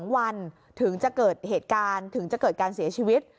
๒วันถึงจะเกิดเหตุการณ์ถึงจะเกิดการเสียชีวิต